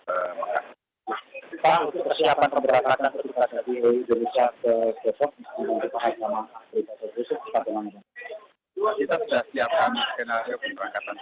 pak untuk persiapan pemerangkatan